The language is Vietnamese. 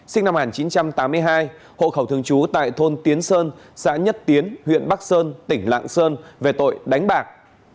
sinh năm một nghìn chín trăm tám mươi hai hộ khẩu thường trú tại thôn tiến sơn xã nhất tiến huyện bắc sơn tỉnh lạng sơn về tội đánh bạc